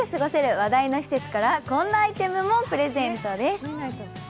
話題の施設からこんなアイテムもプレゼントです。